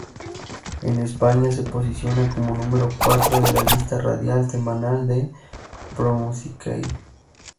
En España se posiciona como número cuatro en la lista radial semanal de Promusicae.